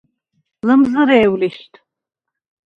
ლჷმზჷრე̄უ̂ ლიშდ!